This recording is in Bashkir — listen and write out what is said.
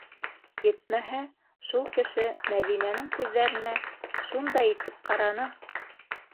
Етмәһә, шул кеше Мәҙинәнең күҙҙәренә шундай итеп ҡараны.